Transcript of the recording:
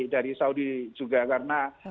dari saudi juga karena